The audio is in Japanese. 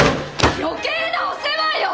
余計なお世話よ！